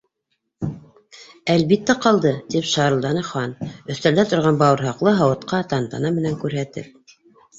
— Әлбиттә, ҡалды, — тип шарылданы Хан, өҫтәлдә торған бауырһаҡлы һауытҡа тантана менән күрһәтеп.